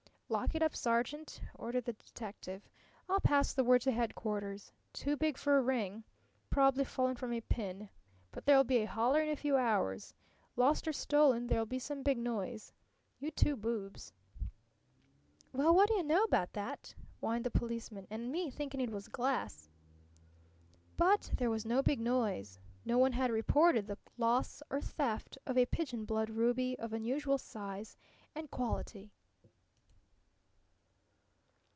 "Lock it up, sergeant," ordered the detective. "I'll pass the word to headquarters. Too big for a ring. Probably fallen from a pin. But there'll be a holler in a few hours. Lost or stolen, there'll be some big noise. You two boobs!" "Well, whadda yuh know about that?" whined the policeman. "An' me thinkin' it was glass!" But there was no big noise. No one had reported the loss or theft of a pigeon blood ruby of unusual size and quality.